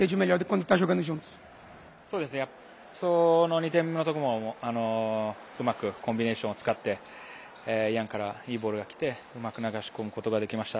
２点目もうまくコンビネーションを使ってヤンからいいボールがきてうまく流し込むことができました。